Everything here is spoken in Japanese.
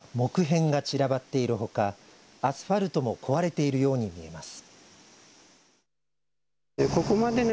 道路には木片が散らばっているほかアスファルトも壊れているように見えます。